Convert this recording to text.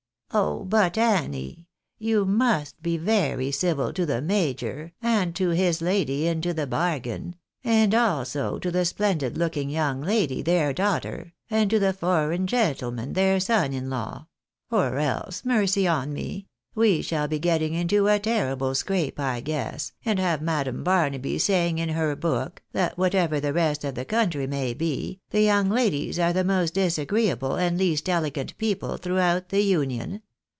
" Oh ! but, Annie, you must be very civil to the major, and to his lady into the bargain, and also to the splendid looMng young lady, their daughter, and to the foreign gentleman, their son in law ; or else, mercy on me ! we shall be getting into a terrible scrape, I guess, and having Madam Barnaby saying in her book, that whatever the rest of the country may be, the young ladies are the most disagreeable and least elegant people throughout the Union.